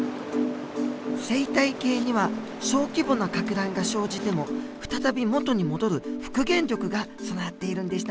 生態系には小規模なかく乱が生じても再び元に戻る復元力が備わっているんでしたね。